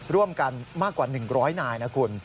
ร่วมกันมากกว่า๑๐๐นายนะคุณ